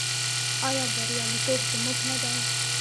آیا بریالیتوب زموږ نه دی؟